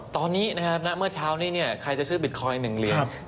ตอนนี้นะครับในเมื่อชาวนี้คล้ายจะซื้อ๑เหรียญบิตคอยน์